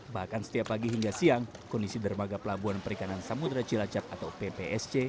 bahkan setiap pagi hingga siang kondisi dermaga pelabuhan perikanan samudera cilacap atau ppsc